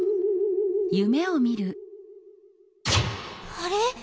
あれ？